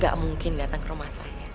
gak mungkin datang ke rumah saya